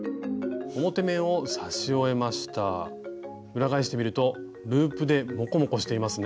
裏返してみるとループでモコモコしていますね。